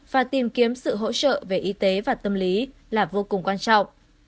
và tìm kiếm sự hỗ trợ về y tế và tâm lý là vô cùng quan trọng